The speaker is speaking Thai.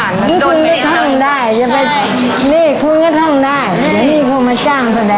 มันโดนจิตท่องได้จะไปนี่คุณก็ท่องได้เดี๋ยวมีคนมาจ้างแสดง